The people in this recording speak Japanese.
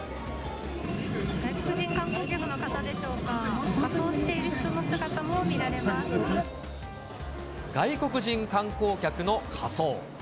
外国人観光客の方でしょうか、外国人観光客の仮装。